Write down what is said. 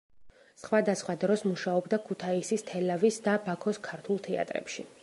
სხვადასხვა დროს მუშაობდა ქუთაისის, თელავის და ბაქოს ქართულ თეატრებში.